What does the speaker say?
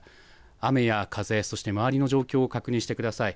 雨や風、そして周りの状況を確認してください。